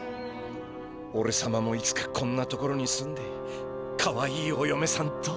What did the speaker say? おれさまもいつかこんなところにすんでかわいいおよめさんと。